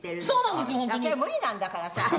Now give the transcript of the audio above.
それ無理なんだからさ。